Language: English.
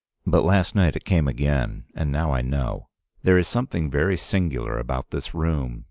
But last night it came again, and now I know. There is something very singular about this room.